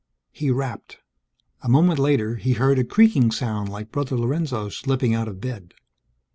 He rapped. A moment later, he heard a creaking sound like Brother Lorenzo slipping out of bed.